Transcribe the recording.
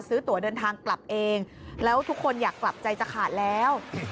ซื้อตัวเดินทางกลับเองแล้วทุกคนอยากกลับใจจะขาดแล้ว